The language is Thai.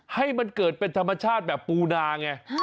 ให้มันเกิดเป็นธรรมชาติแบบปูนาไง